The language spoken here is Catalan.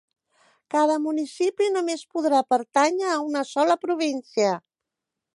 Cada municipi només podrà pertànyer a una sola província.